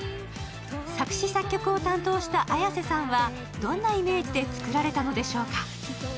作詞・作曲を担当したＡｙａｓｅさんはどんなイメージで作られたのでしょうか。